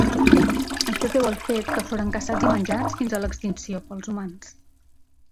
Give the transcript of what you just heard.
Això es deu al fet que foren caçats i menjats fins a l'extinció pels humans.